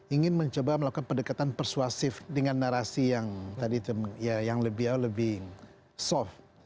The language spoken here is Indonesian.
ingin mencoba melakukan pendekatan persuasif dengan narasi yang tadi itu ya yang lebih soft